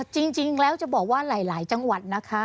จริงแล้วจะบอกว่าหลายจังหวัดนะคะ